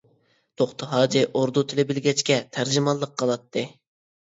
توختى ھاجى ئوردۇ تىلى بىلگەچكە تەرجىمانلىق قىلاتتى.